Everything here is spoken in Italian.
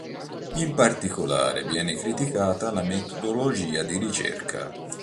In particolare viene criticata la metodologia di ricerca.